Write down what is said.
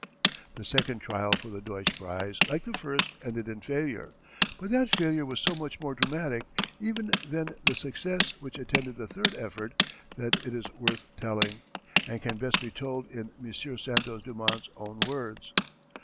The second trial for the Deutsch prize like the first ended in failure, but that failure was so much more dramatic even than the success which attended the third effort that it is worth telling and can best be told in M. Santos Dumont's own words.